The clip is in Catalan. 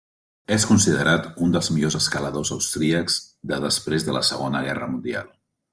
És considerat un dels millors escaladors austríacs de després de la Segona Guerra Mundial.